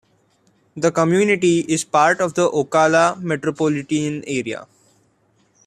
The community is part of the Ocala metropolitan area.